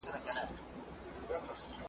پر کور د انارګل به د زاغانو غوغا نه وي .